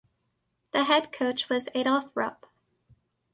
The head coach was Adolph Rupp.